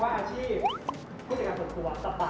หลายคนชอบบอกว่าอาชีพ